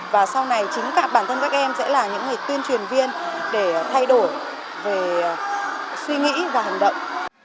và sau này chính cả bản thân các em sẽ là những người tuyên truyền viên để thay đổi về suy nghĩ và hành động